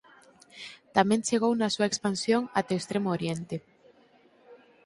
Tamén chegou na súa expansión até o Extremo Oriente.